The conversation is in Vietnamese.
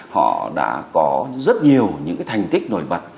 họ đã có rất nhiều những cái thành tích nổi bật